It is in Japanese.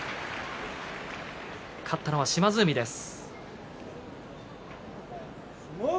勝ったのは島津海です。